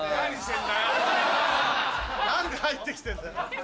何で入ってきてんだ。